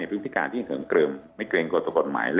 เป็นพิการที่เหิมเกิมไม่เกรงกนวัตถุกฎหมาย